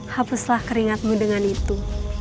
hapuslah keringatmu dengan itu